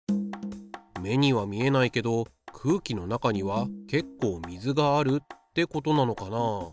目には見えないけど空気の中には結構水があるってことなのかな。